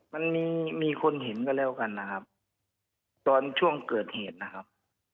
มันมีมีคนเห็นก็แล้วกันนะครับตอนช่วงเกิดเหตุนะครับ